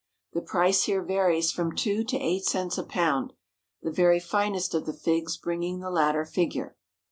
The price here varies from two to eight cents a pound, the very finest of the figs bringing the latter figure.